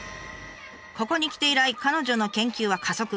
ここに来て以来彼女の研究は加速。